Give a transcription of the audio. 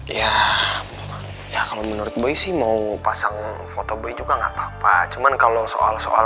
ya ya kalau menurut boy sih mau pasang foto boy juga enggak apa apa cuman kalau soal soal